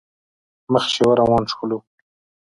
مخ شېوه روان شولو.